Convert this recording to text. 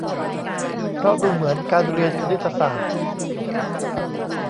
เพราะดูเหมือนการเรียนคณิตศาสตร์